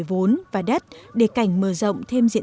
vốn và đất để cảnh mở rộng thêm diện